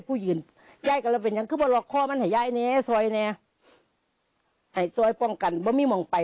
พี่แม่ค่ะก็เล่าให้ฟังเพิ่มนะบอกว่าไอ้สวยป้องกันบอกไม่มองไป